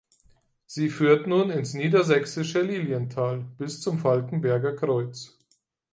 Sie führt nun ins niedersächsische Lilienthal bis zum Falkenberger Kreuz.